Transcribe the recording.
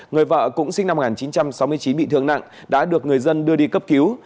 người vợ cũng sinh năm một nghìn chín trăm sáu mươi chín bị thương nặng đã được người dân đưa đi cấp cứu